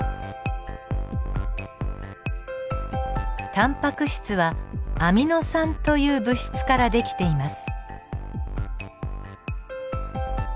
タンパク質はアミノ酸という物質からできています。